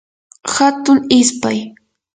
hatun ispay